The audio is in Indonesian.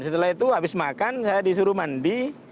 setelah itu habis makan saya disuruh mandi